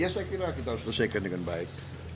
ya saya kira kita harus selesaikan dengan baik